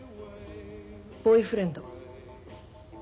ボーイフレンド。